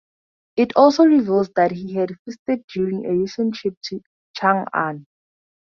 It also reveals that he had feasted during a recent trip to Ch'ang-an.